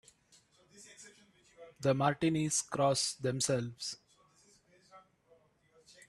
The Martinis cross themselves.